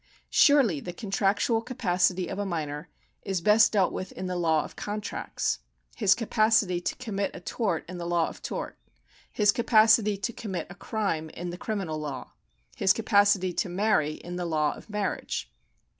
Surely the contractual capacity of a minor is best dealt with in the law of contracts, his capacity to commit a tort in the law of tort, his capacity to commit a crime in the criminal law, his capacity to marry in the law of marriage.